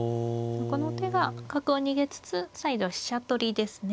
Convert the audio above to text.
この手が角を逃げつつ再度飛車取りですね。